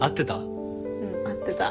うん合ってた。